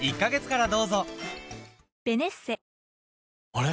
あれ？